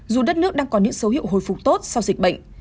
dù đất nước đang có những dấu hiệu hồi phục tốt sau dịch bệnh